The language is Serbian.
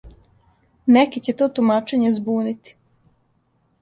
Неке ће то тумачење збунити.